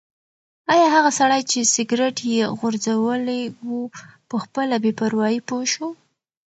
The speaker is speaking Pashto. ایا هغه سړی چې سګرټ یې غورځولی و په خپله بې پروايي پوه شو؟